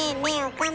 岡村。